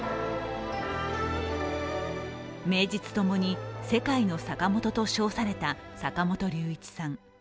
名実ともに世界のサカモトと称された坂本龍一さん。